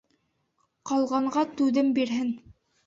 Ҡалғанға түҙем бирһен.